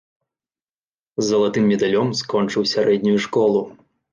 З залатым медалём скончыў сярэднюю школу.